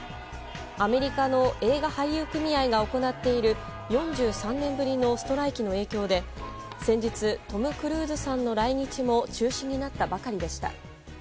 アメリカの映画俳優組合が行っている４３年ぶりのストライキの影響で先日トム・クルーズさんの来日も中止になったばかりでした。